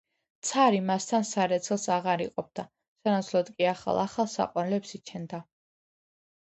ცარი მასთან სარეცელს აღარ იყოფდა, სანაცვლოდ კი ახალ-ახალ საყვარლებს იჩენდა.